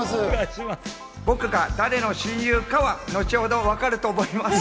僕が誰の親友かは後ほどわかると思います。